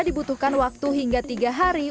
dibutuhkan waktu hingga tiga hari